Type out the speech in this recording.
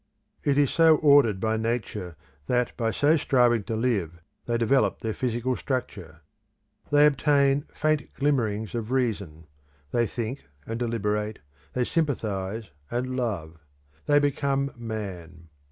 It is so ordered by Nature, that by so striving to live they develop their physical structure; they obtain faint glimmerings of reason; they think and deliberate, they sympathise and love; they become Man.